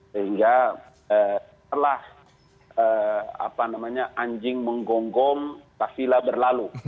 sehingga setelah anjing menggonggong tapila berlalu